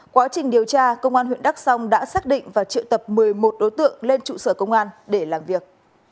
quá trình điều tra công an huyện đắk song đã xác định và triệu tập một mươi một đối tượng lên trụ sở công an để làm việc